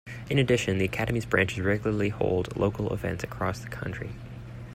In addition, the Academy's Branches regularly hold local events across the country.